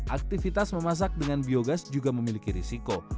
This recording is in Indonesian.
aktivitas memasak dengan biogas juga memiliki risiko